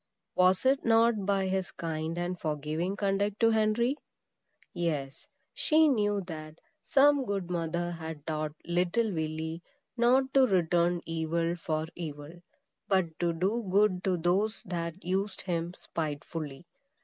Was it not by his kind and forgiving conduct to Henry? Yes; she knew that some good mother had taught little Willy not to return evil for evil, but to do good to those that used him spitefully.